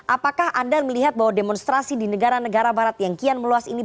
apakah anda melihat bahwa demonstrasi di negara negara barat yang kian meluas ini